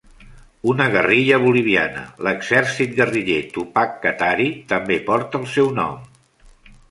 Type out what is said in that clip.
Una guerrilla boliviana, l'exèrcit guerriller Tupac Katari, també porta el seu nom.